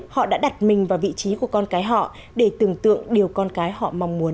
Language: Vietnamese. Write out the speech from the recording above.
họ đã đặt mình vào vị trí của con cái họ để tưởng tượng điều con cái họ mong muốn